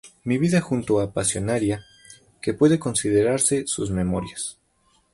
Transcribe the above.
Mi vida junto a Pasionaria", que puede considerarse sus memorias.